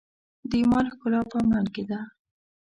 د ایمان ښکلا په عمل کې ده.